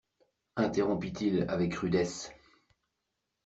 Interrompit-il avec rudesse.